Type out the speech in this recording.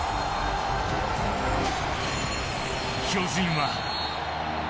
巨人は。